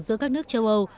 giữa các nước châu âu